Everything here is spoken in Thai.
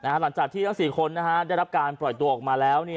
หลังจากที่ทั้ง๔คนได้รับการปล่อยตัวออกมาแล้ว